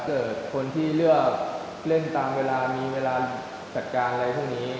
เกิดคนที่เลือกเล่นตามเวลามีเวลาจัดการอะไรพวกนี้